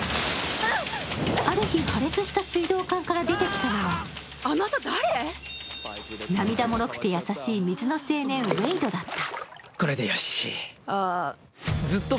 ある日、破裂した水道管から出てきたのは涙もろくて優しい水の青年ウェイドだった。